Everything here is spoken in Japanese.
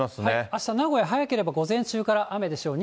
あした、名古屋、早ければ午前中から雨でしょう。